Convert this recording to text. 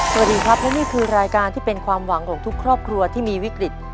สวัสดีครับและนี่คือรายการที่เป็นความหวังของทุกครอบครัวที่มีวิกฤต